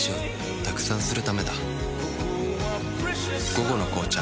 「午後の紅茶」